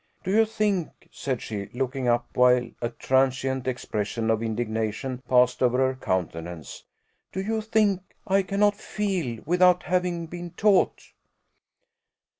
Do you think," said she, looking up, while a transient expression of indignation passed over her countenance, "do you think I cannot feel without having been taught?"